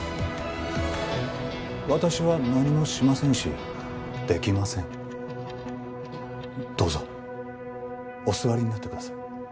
私は何もしませんしできませんどうぞお座りになってくださいううう